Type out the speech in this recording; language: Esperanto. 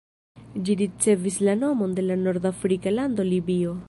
Ĝi ricevis la nomon de la nordafrika lando Libio.